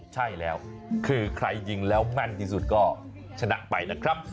ใช่แล้วคือใครยิงแล้วแม่นที่สุดก็ชนะไปนะครับ